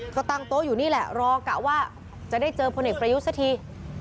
ก็ตั้งโต๊ะอยู่นี่แหละรอกะว่าจะได้เจอพลเอกประยุทธ์สักที